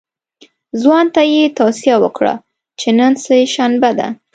ځوان ته یې توصیه وکړه چې نن سه شنبه ده.